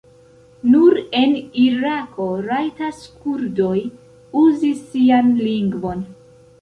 Nur en Irako rajtas kurdoj uzi sian lingvon.